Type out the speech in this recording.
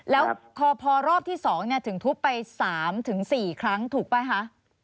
แล้วพอรอบที่๒ถึงทุบไป๓๔ครั้งถูกป่ะคะ